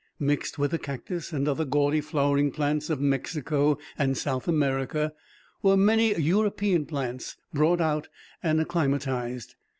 Mixed with the cactus, and other gaudy flowering plants of Mexico and South America, were many European plants, brought out and acclimatized.